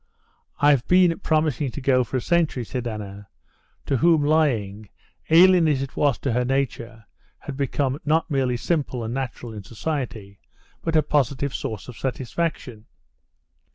I've been promising to go for a century," said Anna, to whom lying, alien as it was to her nature, had become not merely simple and natural in society, but a positive source of satisfaction.